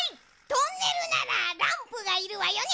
トンネルならランプがいるわよね。